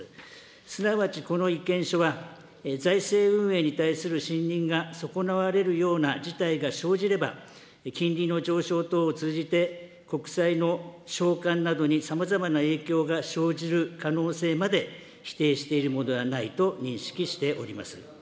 すなわちこの意見書は、財政運営に対する信認が損なわれるような事態が生じれば、金利の上昇等を通じて、国債の償還などにさまざまな影響が生じる可能性まで否定しているものではないと認識しております。